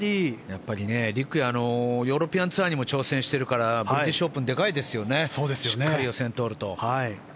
やっぱり陸也はヨーロピアンツアーにも挑戦しているからブリティッシュオープンでかいですよねしっかり予選通ると。